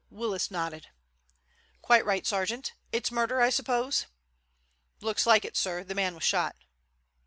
Willis nodded. "Quite right, sergeant. It's murder, I suppose?" "Looks like it, sir. The man was shot."